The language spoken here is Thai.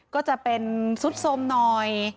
ก็จะเป็นซุดสมหน่อย